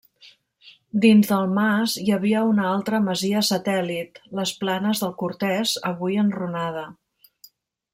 Dins del mas hi havia una altra masia satèl·lit, les Planes del Cortès, avui enrunada.